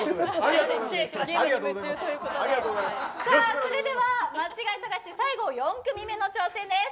それでは間違い探し最後４組目の挑戦です。